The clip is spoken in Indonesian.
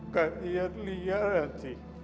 kau lihat lia ya sih